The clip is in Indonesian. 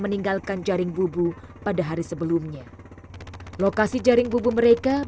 tidak tahu dari bagaimana